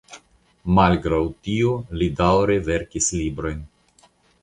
Malgraŭ tio li daŭre verkis librojn.